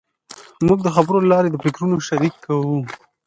موږ د خبرو له لارې د فکرونو شریک شوو.